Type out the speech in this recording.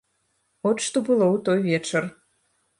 От што было ў той вечар.